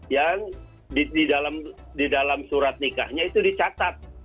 yang di dalam surat nikahnya itu dicatat